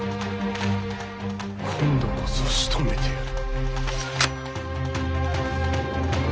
今度こそしとめてやる。